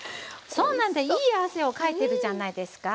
そうなんだいい汗をかいてるじゃないですか。